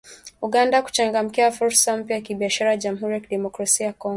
Uganda kuchangamkia fursa mpya za kibiashara Jamhuri ya Kidemokrasia ya Kongo